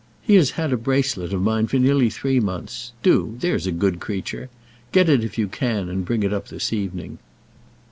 He has had a bracelet of mine for nearly three months. Do, there's a good creature. Get it if you can, and bring it up this evening."